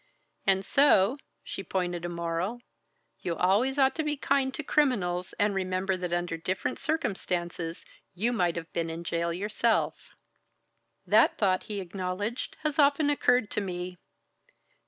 And so," she pointed a moral, "you always ought to be kind to criminals and remember that under different circumstances you might have been in jail yourself." "That thought," he acknowledged, "has often occurred to me.